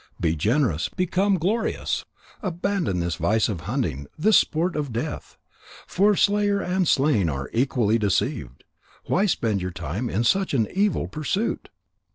Be generous. Become glorious. Abandon this vice of hunting, this sport of Death. For slayer and slain are equally deceived. Why spend your time in such an evil pursuit?"